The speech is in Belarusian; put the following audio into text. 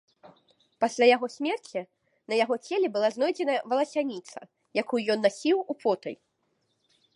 Пасля яго смерці на яго целе была знойдзена валасяніца, якую ён насіў употай.